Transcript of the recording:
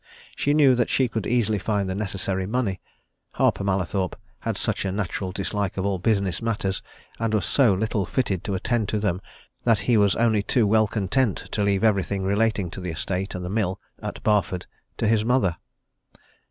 She knew that she could easily find the necessary money Harper Mallathorpe had such a natural dislike of all business matters and was so little fitted to attend to them that he was only too well content to leave everything relating to the estate and the mill at Barford to his mother.